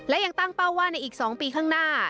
และยังตั้งเป้าว่าในอีก๒ปีข้างหน้า